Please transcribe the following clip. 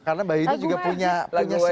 karena mbak yudi juga punya lagu wajib